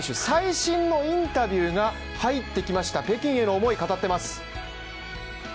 最新のインタビューが入ってきました北京への思いを語ってます。